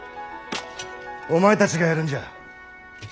お前たちがやるんじゃ。